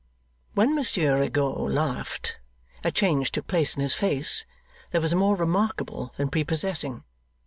When Monsieur Rigaud laughed, a change took place in his face, that was more remarkable than prepossessing.